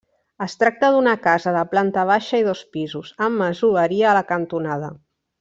Es tracta d'una casa de planta baixa i dos pisos, amb masoveria a la cantonada.